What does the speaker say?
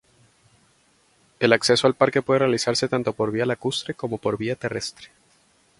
El acceso al parque puede realizarse tanto por vía lacustre como por vía terrestre.